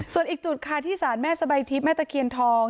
ส่วนอีกจุดค่ะที่สารแม่สบายทิพย์แม่ตะเคียนทอง